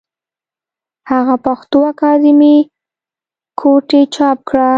هغه پښتو اکادمي کوټې چاپ کړه